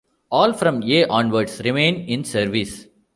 All from A onwards remain in service.